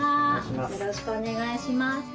よろしくお願いします。